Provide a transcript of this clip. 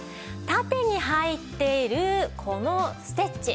縦に入っているこのステッチ。